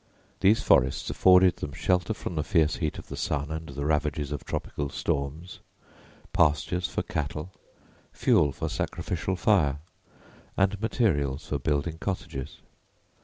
These forests afforded them shelter from the fierce heat of the sun and the ravages of tropical storms, pastures for cattle, fuel for sacrificial fire, and materials for building cottages.